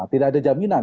tidak ada jaminan